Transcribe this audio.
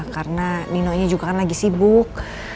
karena nino nya juga kan lagi sibuk